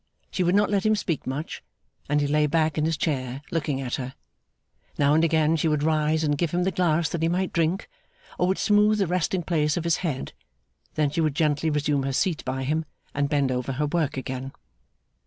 She would not let him speak much, and he lay back in his chair, looking at her. Now and again she would rise and give him the glass that he might drink, or would smooth the resting place of his head; then she would gently resume her seat by him, and bend over her work again.